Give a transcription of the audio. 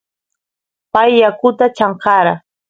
pay yakuta chamkara